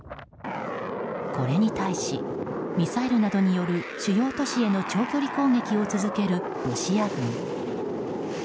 これに対し、ミサイルなどによる主要都市への長距離攻撃を続けるロシア軍。